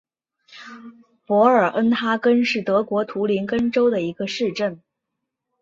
博尔恩哈根是德国图林根州的一个市镇。